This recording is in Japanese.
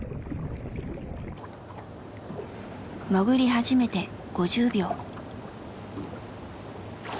潜り始めて５０秒。